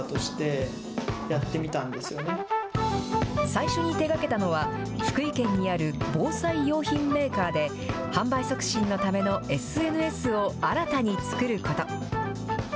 最初に手がけたのは、福井県にある防災用品メーカーで、販売促進のためのＳＮＳを新たに作ること。